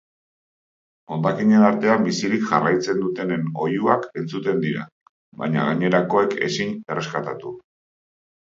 Hondakinen artean bizirik jarraitzen dutenen oihuak entzuten dira, baina gainerakoek ezin erreskatatu.